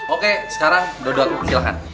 oke sekarang do do silahkan